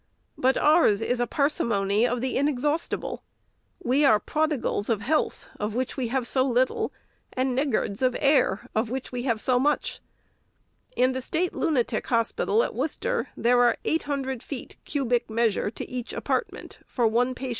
But ours is a parsimony of the inexhaustible. We are prodigals of health, of which we have so little, and niggards of air, of which we have so much. In the State Lunatic Hospital at Worcester, there are eight hundred feet cubic measure to each apartment, for one patient * See Appendix B and C.